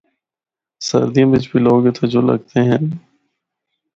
سردیاں بچ بھی لوگ اِتھا جُل ہکدے ہن۔